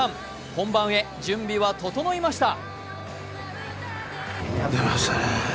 本番へ準備は整いました。